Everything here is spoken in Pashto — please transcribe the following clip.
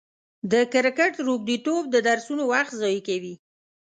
د کرکټ روږديتوب د درسونو وخت ضايع کوي.